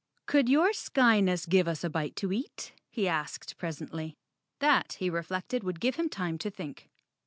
"Could your Skyness give us a bite to eat?" he asked presently. That, he reflected, would give him time to think.